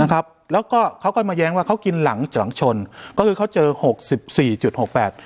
นะครับแล้วก็เขาก็มาแย้งว่าเขากินหลังหลังชนก็คือเขาเจอหกสิบสี่จุดหกแปด